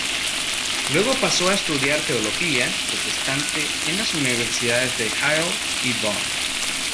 Luego pasó a estudiar teología protestante en las universidades de Halle y Bonn.